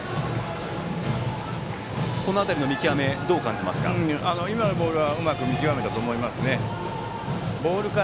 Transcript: この辺りの見極めどう感じますか。